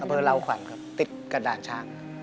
เบอร์ลาวขวัญครับติดกระดาษช้าง